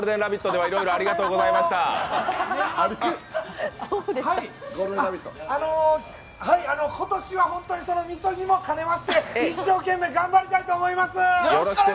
はい、あの今年はみそぎも兼ねまして一生懸命、頑張りたいと思います。